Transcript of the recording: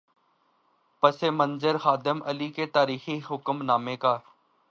پس منظر خادم اعلی کے تاریخی حکم نامے کا۔